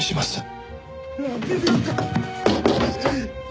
なんでですか。